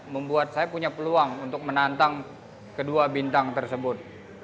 membuat saya punya peluang untuk menantang kedua bintang tersebut